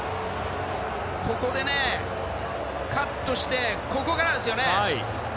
ここでカットしてここからなんですよね。